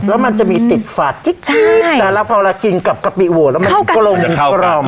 แล้วมันจะมีติดฝาดกิ๊ดแต่พอเรากินกับกะปิอัวแล้วมันจะเข้ากลม